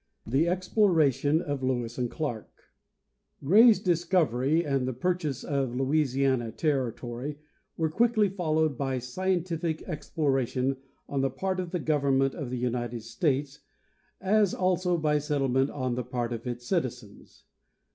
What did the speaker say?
The Exploration of Lewis and Clarke. Gray's discovery and the purchase of Louisiana territory were quickly followed by scientific exploration on the part of the Our greatest Expedition 247 government of the United States, as also by settlement on the part of its citizens.